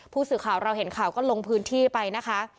ผู้สื่อข่าวเราเห็นข่าวก็ลงพื้นที่ไปนะคะ